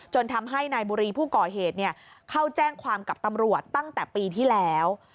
ทำให้นายบุรีผู้ก่อเหตุเข้าแจ้งความกับตำรวจตั้งแต่ปีที่แล้ว